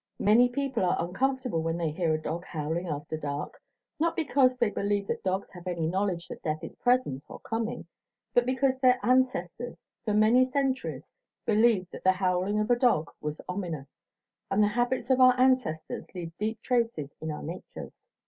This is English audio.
Many people are uncomfortable when they hear a dog howling after dark, not because they believe that dogs have any knowledge that death is present or coming, but because their ancestors for many centuries believed that the howling of a dog was ominous, and the habits of our ancestors leave deep traces in our natures.